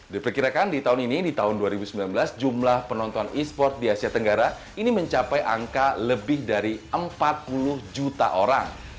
diperkirakan di tahun ini di tahun dua ribu sembilan belas jumlah penonton e sport di asia tenggara ini mencapai angka lebih dari empat puluh juta orang